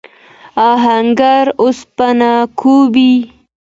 آهنګر اوسپنه کوبي.